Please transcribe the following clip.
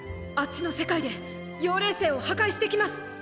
あっちの世界で妖霊星を破壊してきます！